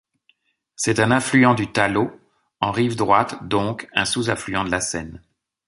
C'est un affluent du Talot en rive droite, donc un sous-affluent de la Seine.